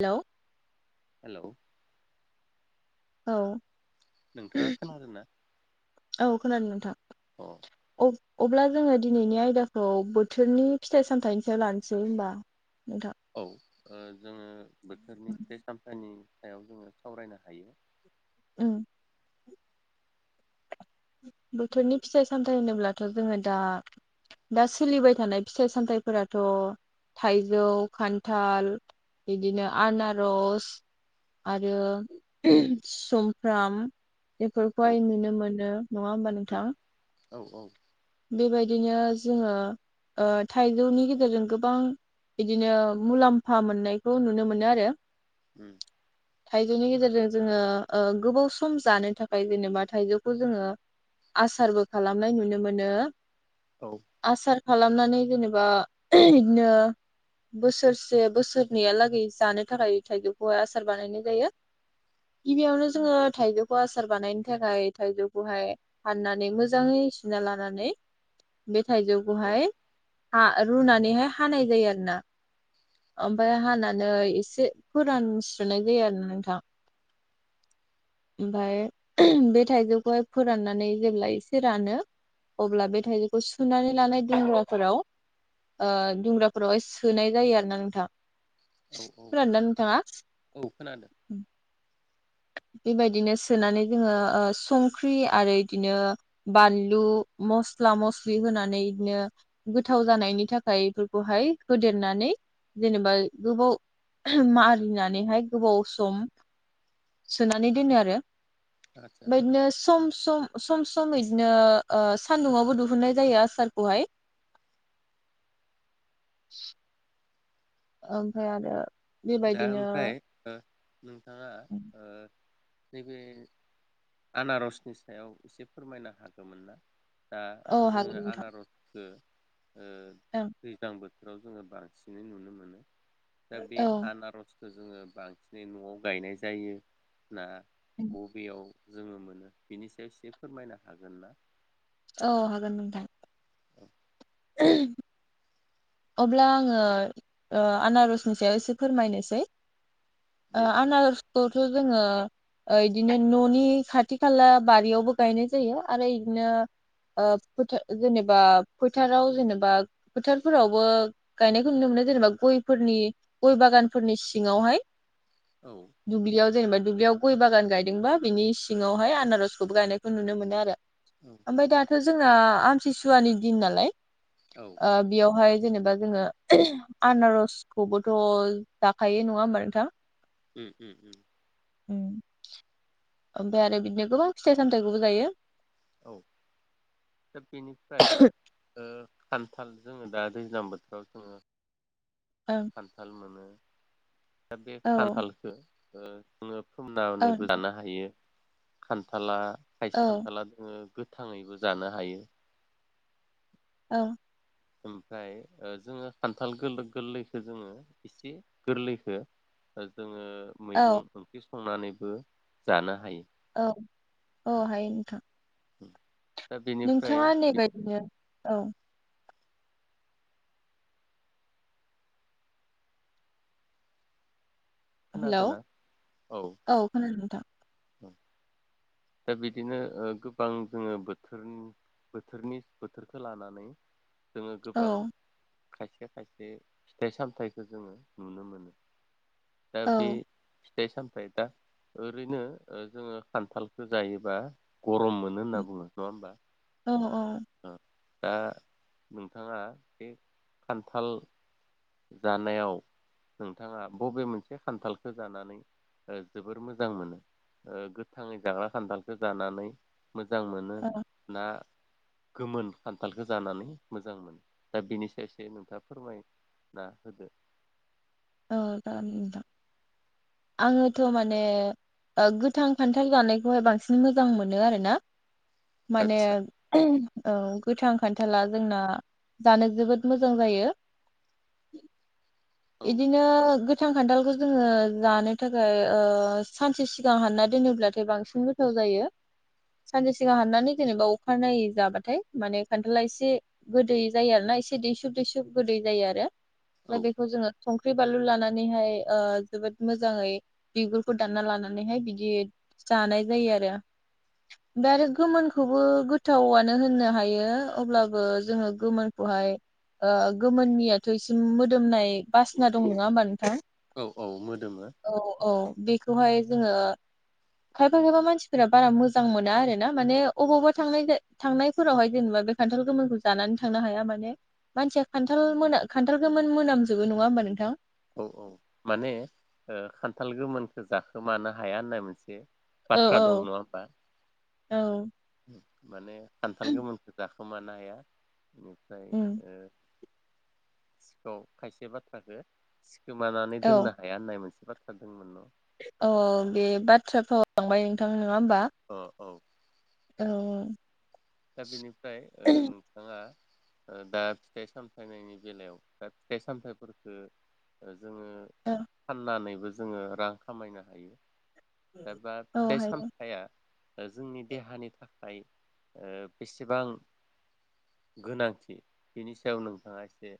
Hello hello औ नोंथाङा खोनादों ना औ खोनादों नोंथां अ अब्ला जोङो दिनैनि आयदाखौ बोथोरनि फिथाइ सामथाइनि सायाव लानोसै होनबा नोंथां औ जोङो बोथोरनि फिथाइ सामथायनि सायाव जोङो सावरायनो हायो ओ बोथोरनि फिथाइ सामथाइ होनोब्लाथ जोङो दा दा सोलिबाय थानाय फिथाइ सामथाइफोराथ थाइजौ खान्थाल बिदिनो आनारस आरो सुमफ्राम औ बेफोरखौहाय नुनो मोनो नङा होमबा उम नोंथां औ औ बेबायदिनो जोङो थाइजौनि गेजेरजों गोबां बिदिनो मुलाम्फा मोननायखौ नुनो मोनो आरो उम थाइजौनि गेजेरजों जोङो गोबाव सम जानो थाखाय जेनेबा थाइजौखौ जोङो आसारबो खालामनाय नुनो मोनो नो औ आसार खालामनानै जेनेबा बिदिनो बोसोरसे बोसोरनैयालागै जानो थाखाय थाइजौखौहाय आसार बानायनाय जायो गिबियावनो जोङो थाइजौखौ आसार बानायनो थाखाय थाइजौखौहाय फाननानै मोजाङै सुना लानो नानै बे औ थायजौखौहाय रुनानैहाय हानाय जायो आरो ना आदसा ओमफ्राय हानानो एसे एसे फोरानस्रुनाय जायो आरोना नोंथां ओमफ्राय बे थाइजौखौहाय फोराननानै जेब्ला एसे रानो अब्ला बे थाइजौखौ सुनानै लानाय दुंग्राफोराव ओ दुंग्राफोरावहाय सोनाय जायो आरो ना नोंथां औ औ खोनादोंना नोंथाङा औ खोनादों बेबायदिनो सोनानै जोङो संख्रि आरो इदिनो बानलु मस्ला मस्लि होनानै इदिनो गोथाव जानायनि थाखाय बेफोरखौहाय होदेरनानै जेनेबा गोबाव मारिनानैहाय गोबाव सम सोनानै दोनो आरो आदसा बेबादिनो सम सम सम सम बिदिनो सान्दुंङावबो दिहुननाय जायो आसारखौहाय ओमफ्राय आरो दा बेबायदिनो ओमफ्राय नों नैबे आनारसनि सायाव एसे फोरमायनो हागौमोन ना दा औ हागोन जोङो नोंथां आनारसखौ ओ ओं दैज्लां बो थोराव जोङो बांसिनै नुनो मोनो। दा बे औ आनारस जोङो बांसिनै न'आव गायनाय जायो। ना बबेयाव जोङो मोनो बिनि सायाव एसे फोरमायनो हागोन ना औ हागोन नोंथां औ अब्ला आङो ओ आनारसनि सायाव एसे फोरमायनोसै ओ दे औ आनारसखौथ' जोङो इदिनो न'नि खाथि खाला बारियावबो गायनाय जायो आरो इदिनो फोथ जेनेबा फोथाराव जेनेबा फोथारफोरावबो गायनायखौ नुनो मोनो जेनेबा गयफोरनि गय बागानफोरनि सिङावहाय औ दुबलिआव जेनबा दुब्लियाव गय बागान गायदोंबा बिनि सिङावहाय आनारसखौबो गायनायखौ नुनो मोनो आरो ओमफफ्राय दाथ' जोंना आमथिसुवानि दिन नालाय ओ बेयावहाय जेनेबा जोङो आनारसखौबोथ' जाखायो नङा होमबा नोंथां उ उ उ उम। ओमफ्राय आरो बिदिनो गोबां फिथाइ सामथायाइखौबो जायो। औ दा बेनिफ्राय ओ खान्थाल जोङो दा दैज्लां बोथोराव जोङो ओं खान्थाल मोनो दा बे औ खान्थालखो ओम औ सोमनानैबो लानो हायो। खान्थाला खायसे खानथाला जोङो गोथाङैबो जानो हायो। औ ओमफ्राय ओ जोङो खान्थाल गोरलैखौ जोङो एसे गोरलैखो जोङो औ मैगं संनानैबो जानो हायो। औ औ हायो नोंथां उ नोंथाङा होननाबायदिनो। औ। हेल औ खोनादोंना औ खोनादों नोंथां। [inaudible] दा बिदिनो ओ गोबां जोङो बोथोर बोथोरनि बोथोरखौ लानानै जोङो औ गोबां। खायसे खायसे फिथाइ सामथाइखौ जोङो नुनो मोनो। दा औ बे फिथाइ सामथाइ दा ओरैनो ओ जोङो खान्थाल जायोबा गरम मोनो होनना बुङो नङा होमबा। औ दा नोंथाङा बे खान्थाल। जानायाव नोंथाङा बबे मोनसे खान्थालखौ जानानै ओ जोबोर मोजां मोनो ओ गोथाङै जाग्रा खान्थालखौ जानानै मोजां मोनो औ ना। गोमोन खान्थालखौ जानानै मोजां मोनो दा बेनि सायावसो नोंथाङा फोरमाय। ना होदो। औ जागोन नोंथां आङोथ माने ओ गोथां खान्थाल जानायखौहाय बांसिन मोजां मोनो आरोना। माने आदसा [unintelligible] गोथां खान्थाला जोंना जानो जोबोद मोजां जायो। औ इदिनो गोथां खान्थालखौ जोङो जानो थाखाय ओ सानसे सिगां हानना दोनोब्लाथाय बांसिन गोथाव जायो सानसे सिगां हाननानै जेनेबा अखानायनायै जाबाथाय माने खान्थाला एसे गोदै जायो आरोना एसे दैसुब दैसुब गोदै जायो आरो। ओमफ्राय औ बेखौ जोङो संख्रि बानलु लानानैहाय ओ जोबोद मोजाङै बिगुरखौ दानना लानानैहाय बिदि जानाय जायो आरो ओमफ्राय आरो गोमोनखौबो गोथावानो होननो हायो अब्लाबो जोङो गोमोनखौहाय ओ गोमोननियाथ इसिम मोदोमनाय बासिना दं नङा होमबा नोंथां। औ औ मोदोमो औ औ बेखौहाय। जोङो खायफा खायफा मानसि बारा मोजां मोना आरोना माने अबावबा थांनायजाय-थांनायफोरावहाय जेनेबा बे खान्थाल गोमोन जानानै थांनो हाया माने मानसिया खान्थाल मोनो खान्थाल गोमोन मोनाम जोबो नङा होनबा नोंथां। औ औ माने ओ खान्थाल गोमोनखो जाखोमानो हाया होननाय मोनसे। औ बाथ्रा दं नङा होमबा। औ माने। खान्थाल गोमोनखौ जाखो खोमानो हाया। ओमफ्राय उम ओ सिखाव खायसे बाथ्राखो। गोमानानै औ दोननो हाया होननाय मोनसे बाथ्रा दोंमोन न [unintelligible] नङा होमबा औ औ। दा बेनिफ्राय ओ नोंथाङा ओ दा फिथाइ सामथायनायनि बेलायाव दा फिथाइ सामथायफोरखो ओ जोङो औ फाननानैबो जोङो रां खामायनो हायो। बा औ फिथाइ हायो सामथाइया ओ जोंनि देहानि थाखाय ओ बेसेबां गोनांथि बिनि सायाव नोंथाङा एसे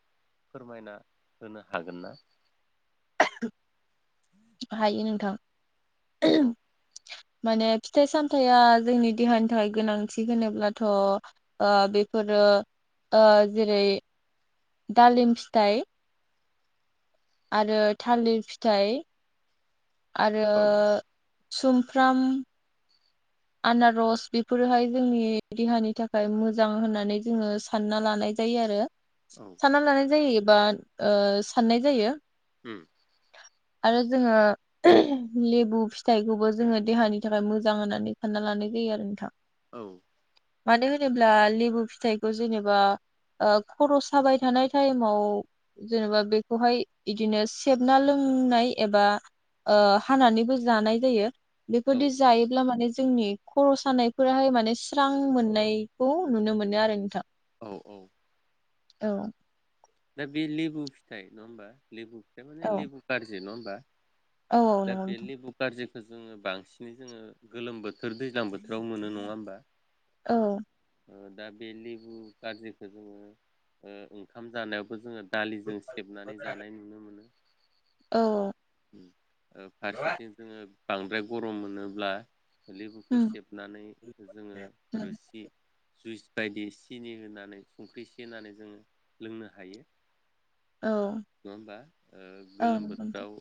फोरमायना होनो हागोन ना? हायो नोंथां। औ [inaudible] माने फिथाइ सामथाइया जोंनि देहानि थाखाय गोनांथि होनोब्लाथ ओ बेफोरो ओ जेरै दालिम फिथाइ आरो थालिर फिथाइ आरो औ सुम फ्राम आनारस बेफोरोहाय जोंनि देहानि थाखाय मोजां होननानै जोङो सानना लानाय जायो आरो। औ सानना लानाय जायो बा साननाय जायो। उम। आरो जोङो लेबु फिथाइखौबो जोङो देहानि थाखाय मोजां होननानै सानना लानाय जायो आरो नोंथां। औ। मानो होनोब्ला लेबु फिथाइखौ जेनेबा ओ खर' साबाय थानाय टाइमाव जेनेबा बेखौहाय इदिनो सेबना लोंनाय एबा ओ हानानैबो जानाय जायो। औ बेफोरदि जायोब्ला माने जोंनि खर' सानायफोराहाय माने स्रां मोननायखौ नुनो मोनो आरो नोंथां। औ औ। औ। दा बे लेबु फिथाइ नङा होमबा। लेबु फिथाइ माने औ लेबु कारजि न बा औ दा नंगौ बे नोंथां लेबु कारजि खो जोङो बांसिनै जोङो गोलोम बोथोर दैज्लां बोथोराव मोनो नङा होमबा? औ ओ दा बे लेबु कारजिखौ जोङो ओ ओंखाम जानायावबो जोङो दालिजों उम सेबनानै जानाय नुनो मोनो। औ ओ फारसेथिं जोङो बांद्राय गरम मोनोब्ला लेबुखौ सेबनानै जोङो रोसि जुइस बायदि सिनि होनानै संख्रि एसे होनानै जोङो लोंनो हायो नङा होमबा औ गोलोम नंगौ नोंथां बोथोराव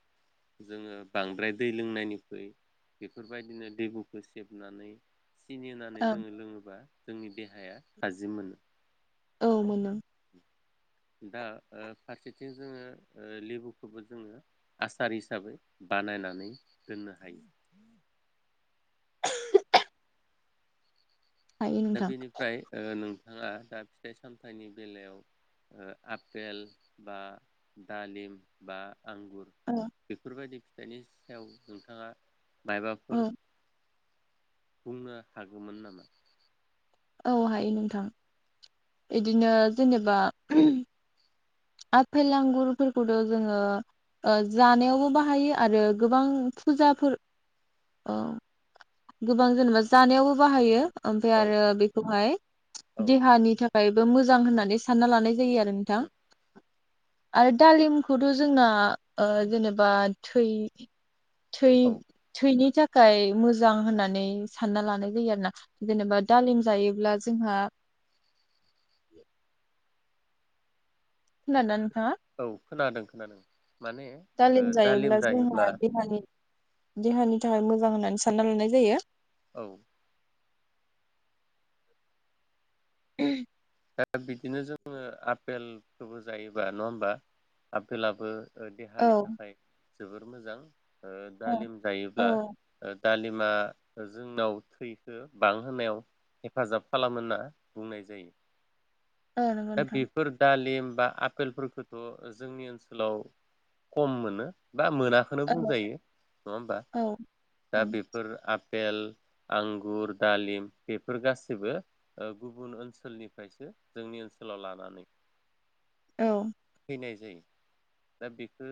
जोङो बांद्राय दै लोंनायनिख्रुय बेफोरबायदिनो दैबुखौ सेबनानै सिनि होननानै औ जोङो लोङोबा जोंनि देहाया थाजिम मोनो औ मोनो दा फारसेथिं जोङो ओ लेबुखौबो जोङो आसार हिसाबै बानायनानै दोननो हायो हायो दा नोंथां बेनिफ्राय नों आंहा दा फिथाइ सामथाइनि बेलायाव आपेल बा दालिम बा आंगुर औ बेफोरबायदि बेनि सायाव नोंथाङा माबाफोर औ बुंनो हागौमोन नामा औ हायो नोंथां बिदिनो जेनेबा आफेल आंगुरफोरखौथ' जोङो जानायावबो बाहायो आरो गोबां फुजाफोर गोबां जेनेबा जानायावबो बाहायो ओमफ्राय औ आरो बेखौहाय औ देहानि थाखाय मोजां होननानै सानना लानाय जायो आरो नोंथां आरो दालिमखौथ' जोंना ओ जेनेबा थै थै औ थैनि थाखाय थाखाय मोजां होननानै सानना लानाय जायो आरो ना जेनेबा दालिम जायोब्ला जोंहा खोनादों ना नो औ खोनादों खोनादों माने दालिम जायोब्ला देहानि थाखाय मोजां होननानै सानना लानाय जायो औ [inaudible] दा बि बिदिनो जोङो आफेल खौबो जायोबा नङा होमबा आपेलाबो औ देहानि थाखाय जोबोर मोजां औ दालिम औ जायोब्ला दालिमा जोंनाव थैखो बांहोनायाव हेफाजाब खालामो होनना बुंनाय जायो औ नंगौ दा नोंथां बेफोर दालिम बा आपेलफोरखौथ' जोंनि ओनसोलाव खम मोनो बा मोनाखौनो औ बुंजायो नङा होमबा औ औ दा बेफोर आ पेल आंगुर दालिम बेफोर गासिबो गुबुन ओनसोलनिफ्रायसो जोंनि ओनसो सोलाव लानानै औ फैनाय जायो दा बेखौ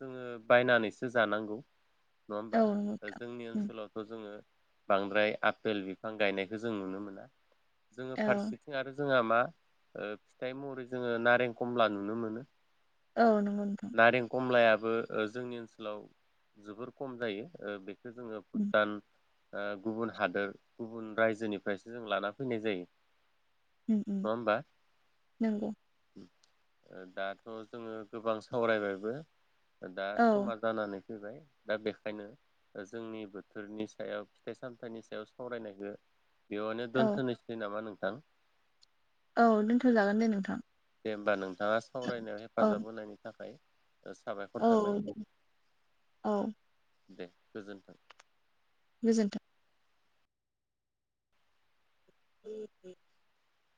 जोङो बायनानैसो जानांगौ। नङा होमबा औ नंगौ नोंथां जोंनि उम, ओनसोलावथ' जोङो बांद्राय आफेल बिफां गायनायखौ जों नुनो मोना। जोङो औ फारसेथिं आरो जोंहा मा फिथाइ महरै जोङो नारें खमला नुनो मोनो। औ नंगौ नोंथां नारें खमलाया बो जोंनि ओनसोलाव जोबोर खम जायो‌ बे बेखौ जोङो उम, भुटान गुबुन हादोर गुबुन रायजोनिफ्रायसो जों लाना फैनाय जायो। नङा होमबा। नोंगौ दाथ' जोङो गोबां सावरायबायबो दा औ समा जानानै फैबाय दा बेखायनो जोंनि बोथोरनि सायाव फिथाइ सामथाइनि सायाव सावरायनायखो बेयावनो औ दोनथ'नोसै नामा नों थां औ दोनथ'जागोन दे नोंथां दे होमबा नोंथाङा सावरायनायाव औ हेफाजाब होनायनि थाखाय साबायखर औ थाबाय दे। औ दे गोजोन्थों गोजोन्थों [inaudible]